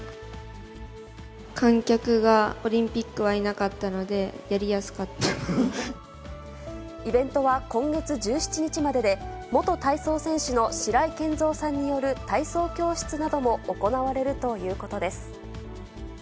観客がオリンピックはいなかったので、イベントは今月１７日までで、元体操選手の白井健三さんによる体操教室なども行われるということです。